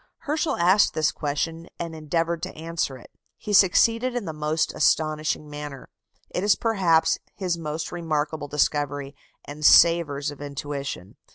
Herschel asked this question and endeavoured to answer it. He succeeded in the most astonishing manner. It is, perhaps, his most remarkable discovery, and savours of intuition.